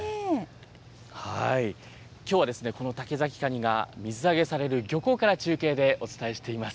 きょうは、この竹崎カニが水揚げされる漁港から中継でお伝えしています。